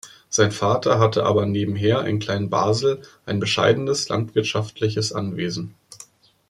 Sein Vater hatte aber nebenher in Kleinbasel ein bescheidenes landwirtschaftliches Anwesen.